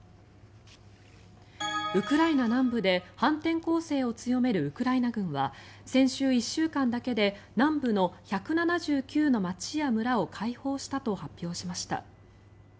ウクライナ南部で反転攻勢を強めるウクライナ軍は先週１週間だけで南部の１７９の街や村を解放したと発表しました。